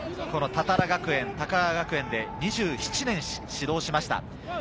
多々良学園、高川学園で２７年指導しました。